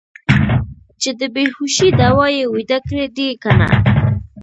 چې د بې هوشۍ دوا یې ویده کړي دي که نه.